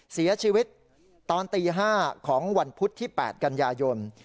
เสียชีวิตตอนตี๕ของวันพุธที่๘กันยายน